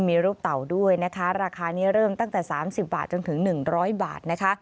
มีรูปเต่าด้วยนะคะราคานี้เริ่มตั้งแต่๓๐บาทจนถึง๑๐๐บาทนะคะ